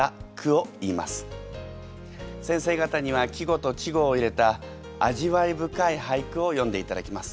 先生方には季語と稚語を入れた味わい深い俳句を詠んでいただきます。